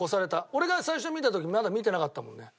俺が最初見た時まだ見てなかったもんね。